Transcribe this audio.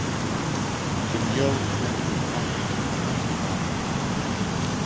Bunyoro is one of the Bantu kingdoms of Uganda.